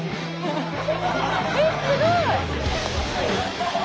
えっすごい！